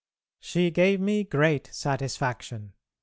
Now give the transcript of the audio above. She gave me great satisfaction.